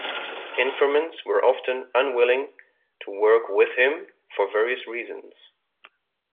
Informants were often unwilling to work with him for various reasons.